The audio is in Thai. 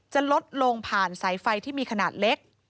จะลดลงผ่านสายไฟที่มีขนาดเล็ก